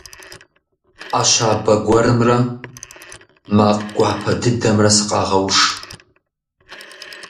Ӏэ щабэ гуэрымрэ макъ гуапэ дыдэмрэ сыкъагъэуш.